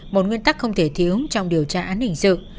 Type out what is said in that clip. một nguyên tắc không thể thiếu trong điều tra án hình sự